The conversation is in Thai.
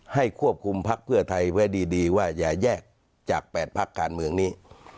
ควบคุมพักเพื่อไทยไว้ดีว่าอย่าแยกจาก๘พักการเมืองนี้